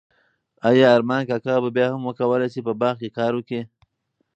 ایا ارمان کاکا به بیا هم وکولای شي په باغ کې کار وکړي؟